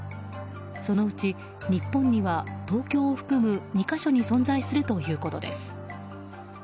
そのうち、日本には東京を含む２か所に存在するということです。